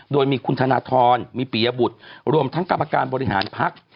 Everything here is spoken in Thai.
โดยมีคุณธนทรมีปียบุตรรวมทั้งกรรมการบริหารพัก